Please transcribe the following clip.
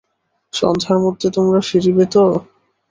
সন্ধ্যার মধ্যে তোমরা ফিরিবে তো?